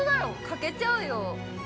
◆欠けちゃうよ。